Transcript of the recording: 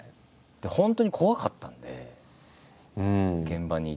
本当に怖かったんで現場にいて。